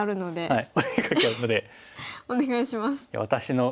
はい。